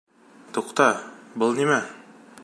Туҡта, был нимә?